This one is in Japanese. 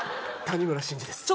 谷村新司です